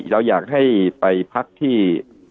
เราอยากให้ไปพักที่